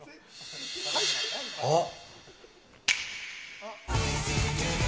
あっ！